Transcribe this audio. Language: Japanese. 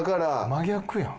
真逆やん。